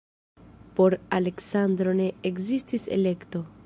Por Aleksandro ne ekzistis elekto.